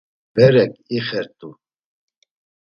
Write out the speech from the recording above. Berek ixert̆u.